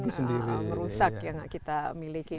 merusak yang kita miliki